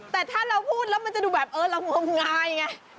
แต่ถ้าเราพูดแล้วมันจะดูแบบเออเรางมงายไง